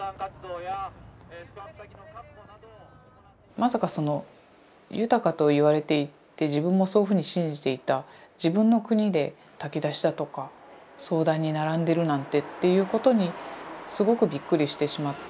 まさかその豊かと言われていて自分もそういうふうに信じていた自分の国で炊き出しだとか相談に並んでるなんてっていうことにすごくびっくりしてしまった。